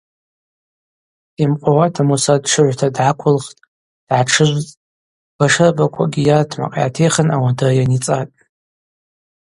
Йымкъвауата Муса дтшыгӏвта дгӏаквылхтӏ, дгӏатшыжвцӏтӏ, башырбаквакӏгьи йармакъ йгӏатихын ауандыр йаницӏатӏ.